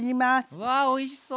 うわおいしそう！